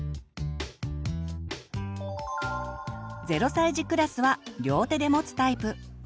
０歳児クラスは両手でもつタイプ。